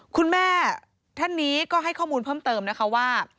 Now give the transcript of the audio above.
คุณแม่ท่านนี้ก็ให้ข้อมูลเพิ่มเติมนะคะว่า